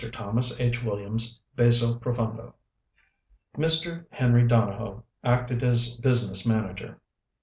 THOMAS H. WILLIAMS Basso profundo. Mr. Henry Donohoe acted as business manager.